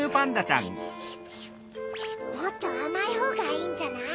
もっとあまいほうがいいんじゃない？